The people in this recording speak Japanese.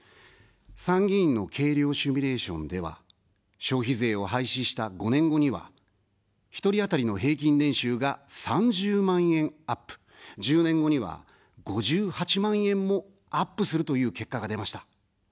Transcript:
参議院の計量シミュレーションでは、消費税を廃止した５年後には１人当たりの平均年収が３０万円アップ、１０年後には５８万円もアップするという結果が出ました。